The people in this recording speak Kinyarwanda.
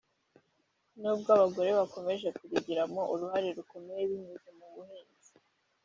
nubwo abagore bakomeje kurigiramo uruhare rukomeye binyuze mu buhinzi